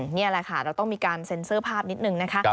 นี่ภาพต้องมีการเซ็นซ์นะนิดนึงนะคะ